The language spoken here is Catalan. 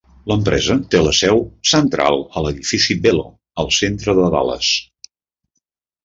L'empresa té la seu central a l'edifici Belo al centre de Dallas.